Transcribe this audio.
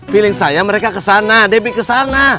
feeling saya mereka kesana debit kesana